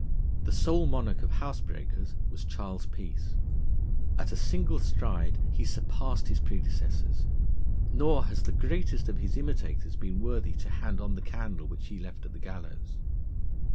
The sole monarch of housebreakers was Charles Peace. At a single stride he surpassed his predecessors; nor has the greatest of his imitators been worthy to hand on the candle which he left at the gallows.